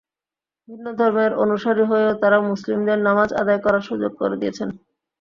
ভিন্ন ধর্মের অনুসারী হয়েও তাঁরা মুসলিমদের নামাজ আদায় করার সুযোগ করে দিয়েছেন।